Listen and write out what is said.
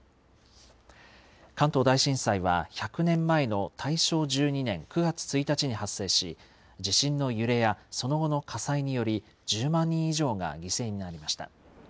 関東大震災は、１００年前の大正１２年９月１日に発生し、地震の揺れやその後の火災により、１０万人以上が犠牲になりました。